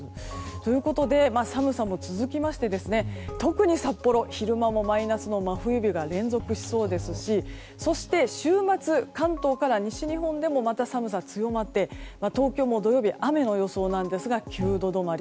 ということで、寒さも続きまして特に札幌は昼間もマイナスの真冬日が連続しそうですし週末、関東から西日本でもまた寒さが強まって東京も土曜日雨の予想なんですが９度止まり。